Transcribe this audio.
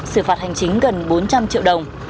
xử phạt hành chính gần bốn trăm linh triệu đồng